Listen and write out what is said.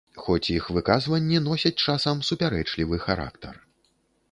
Хоць іх выказванні носяць часам супярэчлівы характар.